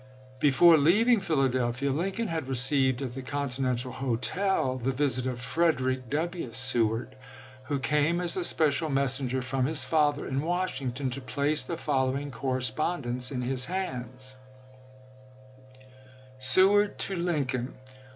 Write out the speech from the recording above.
Before leaving Philadelphia Lincoln had received at the Continental Hotel the visit of Frederick W. Seward, who came as a special messenger from his father in Washington, to place the following correspond ence in his hands : [Seward to Lincoln.